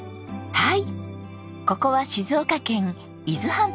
はい。